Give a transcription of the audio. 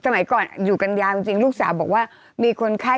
ไม่โอเคก็เรียกย้ายกันไป